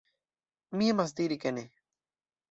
Mi emas diri ke ne.